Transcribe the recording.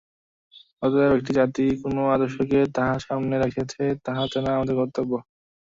অতএব একটি জাতি কোন আদর্শকে তাহার সামনে রাখিয়াছে, তাহা জানা আমাদের কর্তব্য।